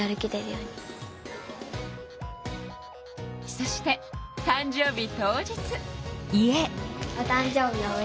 そして誕生日当日。